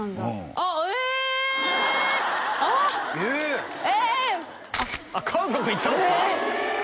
あっ韓国行ったんすか？